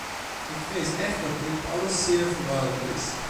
Ik vrees echt dat dit alles zeer verwarrend is.